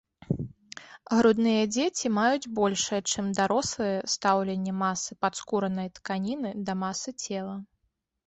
Грудныя дзеці маюць большае чым дарослыя, стаўленне масы падскурнай тканіны да масы цела.